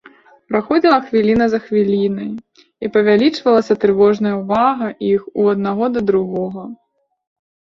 Праходзілі хвіліна за хвілінай, і павялічвалася трывожная ўвага іх у аднаго да другога.